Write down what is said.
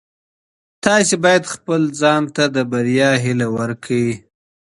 تاسي باید خپل ځان ته د بریا هیله ورکړئ.